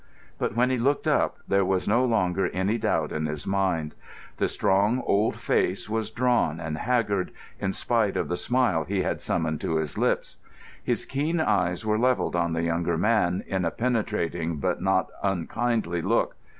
But when he looked up, there was no longer any doubt in his mind. The strong old face was drawn and haggard, in spite of the smile he had summoned to his lips. His keen eyes were levelled on the younger man in a penetrating but not unkindly look.